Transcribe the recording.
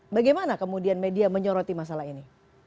bagaimana kemudian media menyoroti masalah ini